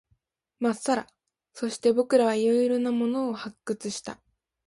まっさら。そして、僕らは色々なものを発掘した。